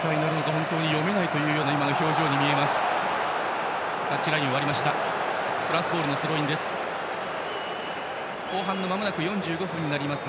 本当に読めないという今の表情に見えます。